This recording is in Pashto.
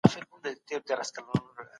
منځنۍ پېړۍ د عبرت يوه لويه دوره وه.